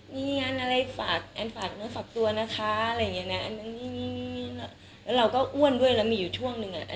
มีงานอะไรฝากแอนฝากเนื้อฝากตัวนะคะอะไรอย่างเงี้นะอันนั้นแล้วเราก็อ้วนด้วยแล้วมีอยู่ช่วงหนึ่งอ่ะ